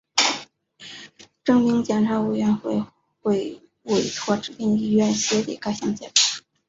征兵检查委员会会委托指定医院办理该项检查。